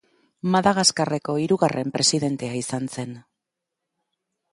Madagaskarreko hirugarren presidentea izan zen.